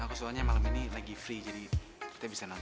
aku soalnya malam ini lagi free jadi kita bisa nonton